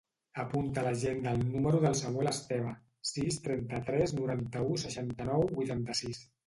Apunta a l'agenda el número del Samuel Esteva: sis, trenta-tres, noranta-u, seixanta-nou, vuitanta-sis.